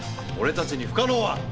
俺たちに不可能は。